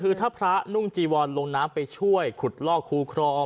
คือถ้าพระนุ่งจีวรลงน้ำไปช่วยขุดลอกคูครอง